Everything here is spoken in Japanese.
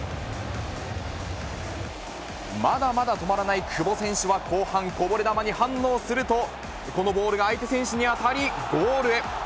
まだまだ止まらない久保選手は後半、こぼれ球に反応すると、このボールが相手選手に当たり、ゴールへ。